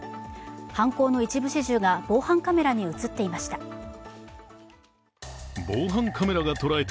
犯行の一部始終が防犯カメラに映っていました。